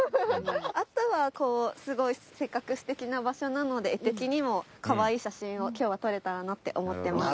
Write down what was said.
あとはこうすごいせっかく素敵な場所なので画的にもかわいい写真を今日は撮れたらなって思ってます。